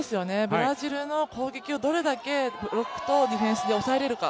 ブラジルの攻撃をどれだけブロックとディフェンスで抑えられるか